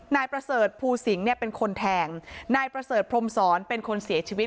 นายประเสริฐภูสิงศ์เนี่ยเป็นคนแทงนายประเสริฐพรมศรเป็นคนเสียชีวิต